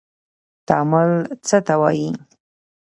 تعامل څه ته وايي.